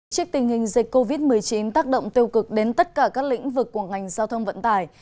trước tình hình dịch covid một mươi chín tác động tiêu cực đến tất cả các lĩnh vực của ngành giao thông vận tải